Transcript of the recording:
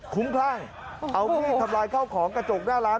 คุ้มคลั่งเอามีดทำลายข้าวของกระจกหน้าร้าน